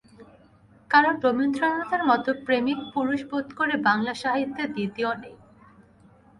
কারণ রবীন্দ্রনাথের মতো প্রেমিক পুরুষ বোধ করি বাংলা সাহিত্যে দ্বিতীয় নেই।